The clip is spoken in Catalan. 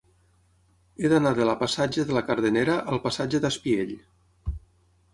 He d'anar de la passatge de la Cadernera al passatge d'Espiell.